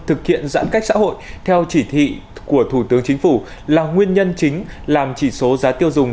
thực hiện giãn cách xã hội theo chỉ thị của thủ tướng chính phủ là nguyên nhân chính làm chỉ số giá tiêu dùng